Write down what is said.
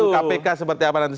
kita tunggu kpk seperti apa nanti